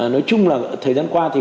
nói chung là thời gian qua thì